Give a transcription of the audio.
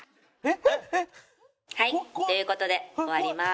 はいということでおわりまーす。